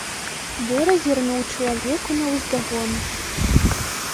Бора зірнуў чалавеку наўздагон.